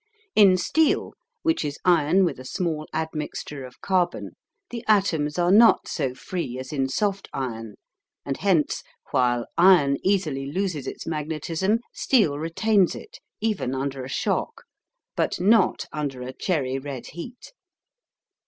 In steel, which is iron with a small admixture of carbon, the atoms are not so free as in soft iron, and hence, while iron easily loses its magnetism, steel retains it, even under a shock, but not under a cherry red heat.